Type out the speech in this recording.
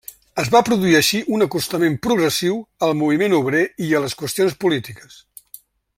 Es va produir així un acostament progressiu al moviment obrer i a les qüestions polítiques.